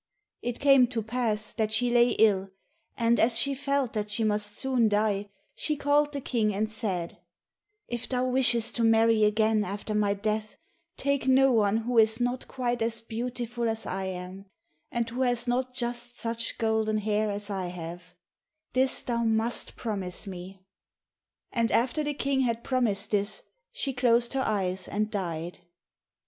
It came to pass that she lay ill, and as she felt that she must soon die, she called the King and said, "If thou wishest to marry again after my death, take no one who is not quite as beautiful as I am, and who has not just such golden hair as I have: this thou must promise me." And after the King had promised her this she closed her eyes and died.